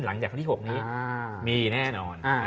หลังจากครั้งที่๖นี้มีแน่นอน